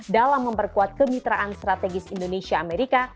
dalam memperkuat kemitraan strategis indonesia amerika